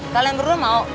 kalian berdua mau